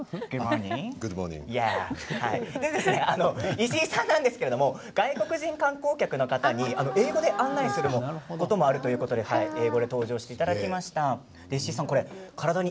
石井さんなんですけれども外国人観光客の方に英語で案内していることもあるということで英語で登場していただきました。